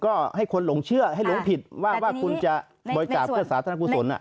ก็ให้คนหลงเชื่อให้หลงผิดว่าคุณจะบริจาคเพื่อสาธารณกุศล